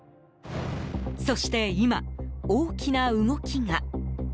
そして今、大きな動きが。